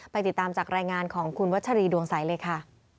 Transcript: ติดตามจากรายงานของคุณวัชรีดวงใสเลยค่ะ